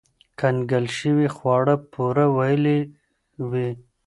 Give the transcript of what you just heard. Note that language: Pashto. کنګل شوي خواړه پوره ویلوئ.